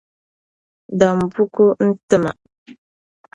Dam buku n-ti ma.